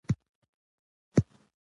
ښځه د ماشومانو په روزنه کې مهم رول لري